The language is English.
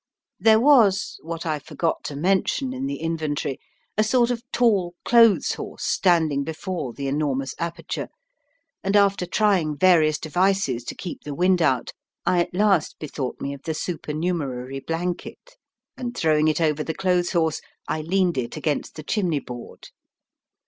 There was what I forgot to mention in the inventory a sort of tall clothes horse standing before the enormous aperture, and after trying various devices to keep the wind out, I at last bethought me of the supernumerary blanket, and, throwing it over the clothes horse, I leaned it against the chimney board.